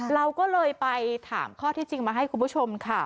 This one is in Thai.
เราก็เลยไปถามข้อที่จริงมาให้คุณผู้ชมค่ะ